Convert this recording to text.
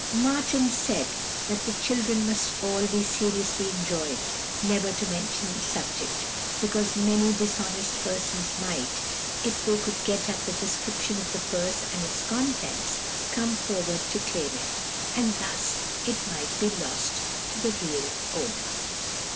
"Martin said that the children must all be seriously enjoined never to mention the subject, because many dishonest persons might, if they could get at the description of the purse and its contents, come forward to claim it, and thus it might be lost to the real owner.